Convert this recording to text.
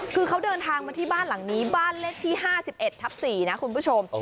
คือเขาเดินทางมาที่บ้านหลังนี้บ้านเลขที่๕๑ทับ๔นะคุณผู้ชม